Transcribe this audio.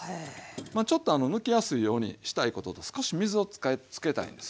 まあちょっとむきやすいようにしたいことと少し水をつけたいんですよ。